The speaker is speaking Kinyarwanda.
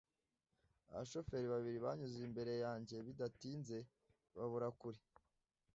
Abashoferi babiri banyuze imbere yanjye, bidatinze babura kure.